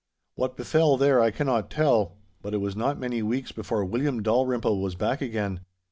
What befell there I cannot tell, but it was not many weeks before William Dalrymple was back again.